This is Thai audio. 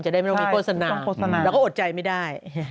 จะได้ไม่ต้องมีโฆษณาเราก็อดใจไม่ได้